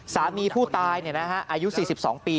สามีผู้ตายเนี่ยนะฮะอายุ๔๒ปี